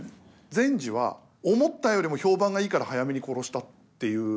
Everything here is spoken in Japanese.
善児は思ったよりも評判がいいから早めに殺したっていう。